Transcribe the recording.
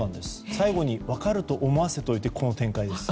最後に分かると思わせておいてこの展開です。